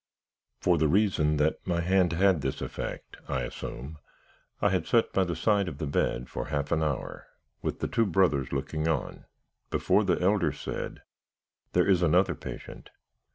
"For the reason that my hand had this effect (I assume), I had sat by the side of the bed for half an hour, with the two brothers looking on, before the elder said: "'There is another patient.'